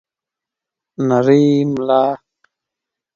نرۍ ملا